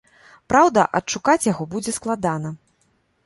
Праўда, адшукаць яго будзе складана.